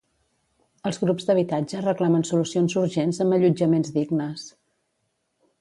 Els grups d'habitatge reclamen solucions urgents amb allotjaments dignes.